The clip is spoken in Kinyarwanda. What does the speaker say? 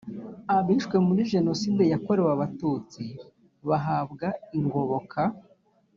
abishwe muri jenoside yakorewe abatutsi bahabwa ingoboka.